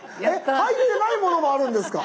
入ってないものもあるんです。